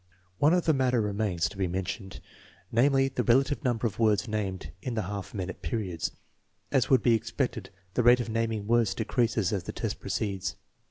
One other matter remains to be mentioned; namely, the relative number of words named in the half minute periods. As would be expected, the rate of naming words decreases as the test proceeds.